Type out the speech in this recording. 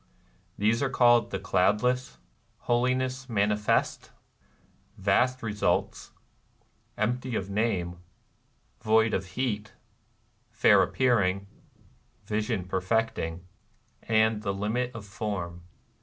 They are called The Cloudless, Holiness Manifest, Vast Ee sults, Empty of Name, Void of Heat, Fair Appearing, Vision Perfecting, and The Limit of Form.